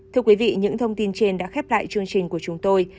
thưa quý vị những thông tin trên đã khép lại chương trình của chúng tôi